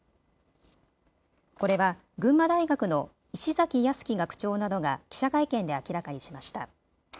これは群馬大学の石崎泰樹学長などが記者会見で明らかにしました。